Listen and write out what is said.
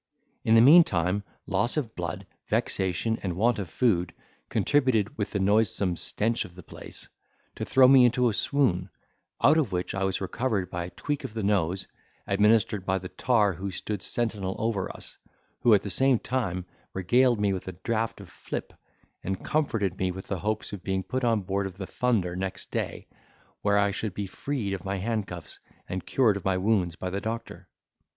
In the meantime, loss of blood, vexation, and want of food, contributed, with the noisome stench of the place, to throw me into a swoon, out of which I was recovered by a tweak of the nose, administered by the tar who stood sentinel over us, who at the same time regaled me with a draught of flip, and comforted me with the hopes of being put on board of the Thunder next day, where I should be freed of my handcuffs, and cured of my wounds by the doctor.